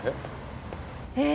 え？